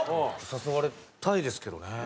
誘われたいですけどね。